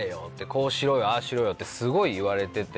こうしろよああしろよってすごい言われてて。